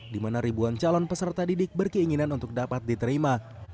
dimana ribuan calon peserta didik berkeinginan untuk dapat diterima